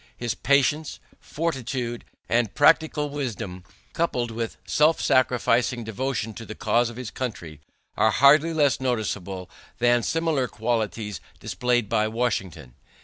His patience, fortitude, and practical wisdom, coupled with self sacrificing devotion to the cause of his country, are hardly less noticeable than similar qualities displayed by Washington.